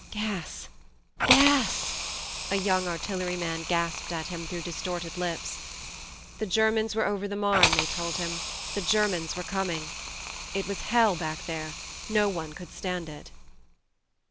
"Gas, gas .. ."a young artil leryman gasped at him through distorted lips. ... The Germans were over the Marne, they told him, the Germans were coming. It was hell back there, no one could stand it.